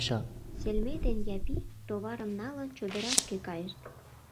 Селмей ден Япий, товарым налын, чодырашке кайышт.